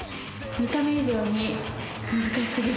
見た目以上に難しすぎる。